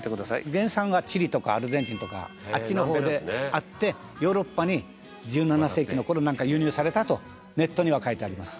「原産がチリとかアルゼンチンとかあっちの方であってヨーロッパに１７世紀の頃なんか輸入されたとネットには書いてあります」